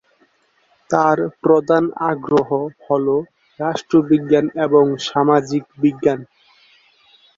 তার প্রধান আগ্রহ হলো রাষ্ট্রবিজ্ঞান এবং সামাজিক বিজ্ঞান।